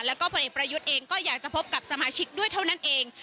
แล้วก็ผลเอกประยุทธ์เองก็อยากจะพบกับสมาชิกด้วยเท่านั้นเอง